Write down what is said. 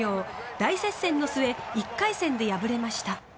大接戦の末１回戦で敗れました。